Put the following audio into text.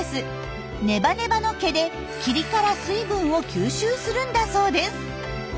ネバネバの毛で霧から水分を吸収するんだそうです。